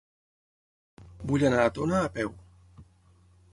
Vull anar a Tona a peu.